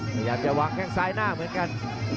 พยายามจะวางแข้งซ้ายหน้าเหมือนกัน